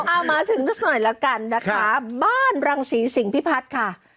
เอามาถึงสักหน่อยละกันนะคะบ้านรังศรีสิงพิพัฒน์ค่ะ